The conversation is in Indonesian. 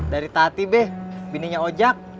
dari tati be binenya ojak